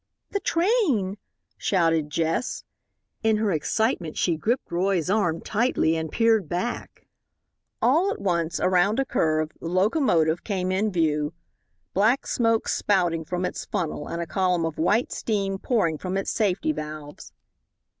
"The train!" shouted Jess. In her excitement she gripped Roy's arm tightly and peered back. All at once, around a curve, the locomotive came into view black smoke spouting from its funnel and a column of white steam pouring from its safety valves.